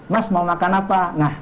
mas mau makan apa nah